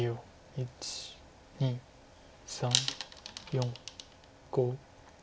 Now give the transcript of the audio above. １２３４５。